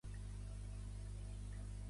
Pertany al moviment independentista l'Eustaqui?